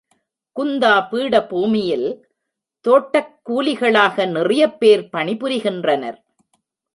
குந்தா பீட பூமியில், தோட்டக் கூலிகளாக நிறைய பேர் பணிபுரிகின்றனர்.